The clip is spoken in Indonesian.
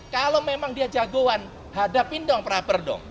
kalau memang dia jagoan hadapin dong pra per dong